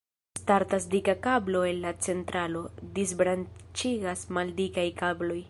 Startas dika kablo el la centralo, disbranĉiĝas maldikaj kabloj.